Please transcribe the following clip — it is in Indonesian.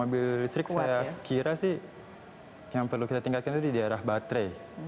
mobil listrik saya kira sih yang perlu kita tingkatkan itu di daerah baterai